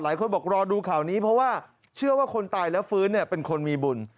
หลายคนบอกรอดูข่าวนี้เพราะว่าเชื่อว่าคนตายแล้วฟื้นเป็นคนมีบุญ